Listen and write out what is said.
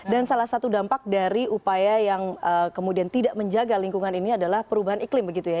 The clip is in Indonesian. dan salah satu dampak dari upaya yang kemudian tidak menjaga lingkungan ini adalah perubahan iklim begitu ya